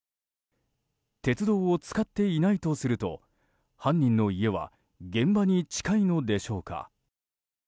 鉄道を使っていないとすると犯人の家は現場に近いのでしょうか。